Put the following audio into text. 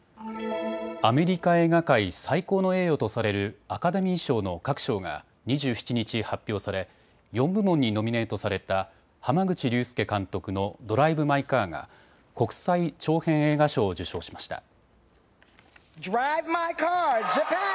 アメリカ映画界最高の栄誉とされるアカデミー賞の各賞が２７日発表され、４部門にノミネートされた濱口竜介監督のドライブ・マイ・カーが、国際長編映画賞を受賞しました。